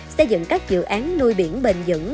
xây dựng các dự án nuôi biển bền dững